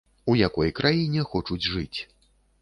У якой краіне хочуць жыць.